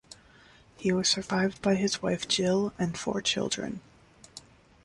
He was survived by his wife Jill and four children.